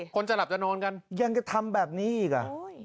คนจะหลับจะนอนกันยังจะทำแบบนี้อีกอ่ะ